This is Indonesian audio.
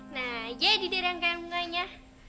nah jadi deh rangkaian mungkanya